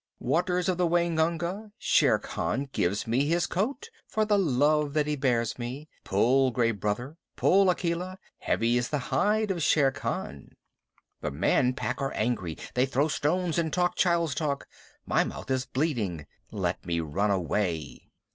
Waters of the Waingunga, Shere Khan gives me his coat for the love that he bears me. Pull, Gray Brother! Pull, Akela! Heavy is the hide of Shere Khan. The Man Pack are angry. They throw stones and talk child's talk. My mouth is bleeding. Let me run away.